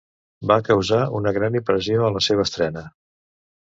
Va causar una gran impressió a la seva estrena.